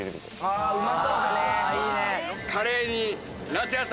ああうまそうだね。